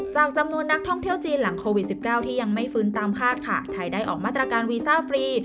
จำนวนนักท่องเที่ยวจีนหลังโควิด๑๙ที่ยังไม่ฟื้นตามคาดค่ะไทยได้ออกมาตรการวีซ่าฟรี